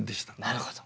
なるほど。